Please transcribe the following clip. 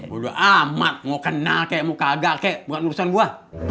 gua udah amat mau kenal kayak mau kagak kayak bukan urusan gua